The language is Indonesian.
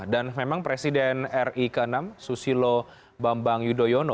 dan memang presiden ri ke enam susilo bambang udoyono